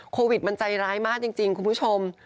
โควิดมันใจร้ายมากจริงคุณผู้ชม